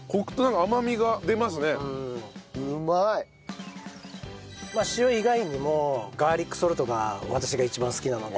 まあ塩以外にもガーリックソルトが私が一番好きなので。